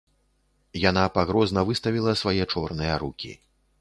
Яна пагрозна выставіла свае чорныя рукі.